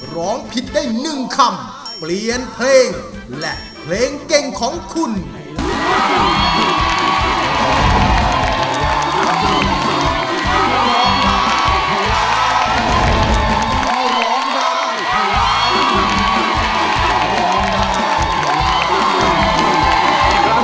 ร้องผิดได้หนึ่งคำ